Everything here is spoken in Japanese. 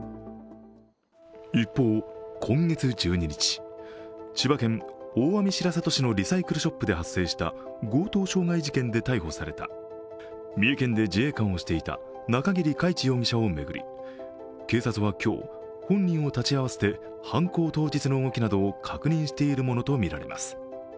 一方、今月１２日、千葉県大網白里市のリサイクルショップで発生した強盗傷害事件で逮捕された三重県で自衛官をしていた中桐海知容疑者容疑者を巡り、警察は今日、本人を立ち会わせて犯行当日の動きなどを確認しているものとみられます。